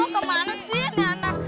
oh kemana sih anak